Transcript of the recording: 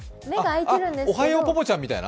おはようポポちゃんみたいな？